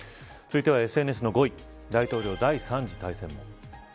続いてはＳＮＳの５位大統領、第３次大戦も。